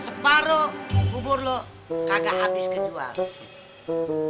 separuh bubur lo kagak habis kejual